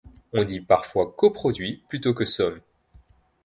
On dit parfois coproduit plutôt que somme.